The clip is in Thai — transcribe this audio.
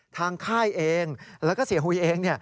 ค่ายเองแล้วก็เสียหุยเอง